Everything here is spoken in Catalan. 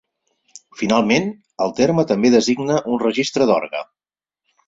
Finalment, el terme també designa un registre d'orgue.